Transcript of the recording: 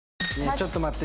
ちょっと待って。